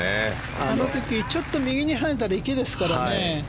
あの時、ちょっと右に跳ねたら池ですからね。